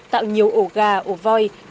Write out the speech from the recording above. tạo nhiều ổ gà ổ voi